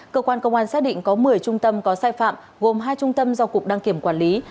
cơ quan công an xác định có một mươi trung tâm có sai phạm gồm hai trung tâm do cục đăng kiểm quản lý